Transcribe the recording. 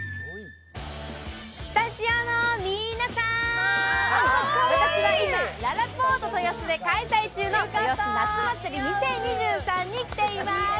スタジオの皆さーん、私は今、ららぽーと豊洲で開催中のとよす夏まつり２０２３に来ています。